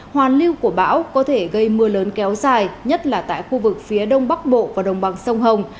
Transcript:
hoàn lưu của bão có thể gây mưa lớn kéo dài nhất là tại khu vực phía đông bắc bộ và đồng bằng sông hồng